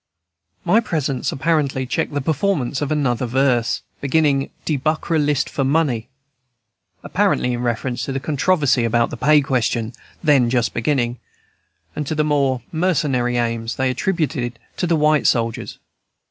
My presence apparently checked the performance of another verse, beginning, "De buckra 'list for money," apparently in reference to the controversy about the pay question, then just beginning, and to the more mercenary aims they attributed to the white soldiers.